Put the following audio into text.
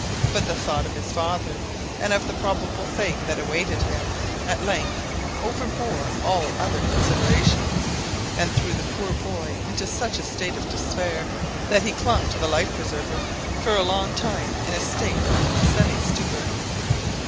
But the thought of his father, and of the probable fate that awaited him, at length overbore all other considerations, and threw the poor boy into such a state of despair, that he clung to the life preserver for a long time in a state of semi stupor.